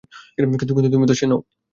কিন্তু তুমি তো সে নও।